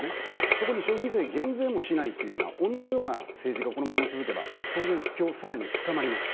そこで消費税を減税もしないというような鬼のような政治がこのまま続けば当然不況は更に深まります。